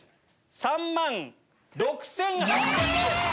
３万６８００円。